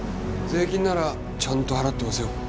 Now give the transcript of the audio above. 税金ならちゃんと払ってますよ。